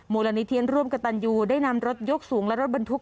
มูลนิธิร่วมกับตันยูได้นำรถยกสูงและรถบรรทุก